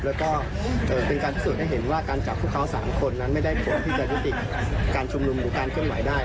แล้วก็เป็นการพิสูจน์ให้เห็นว่าการจับพวกเขา๓คนนั้นไม่ได้ควรที่จะยุติการชุมนุมหรือการเคลื่อนไหวได้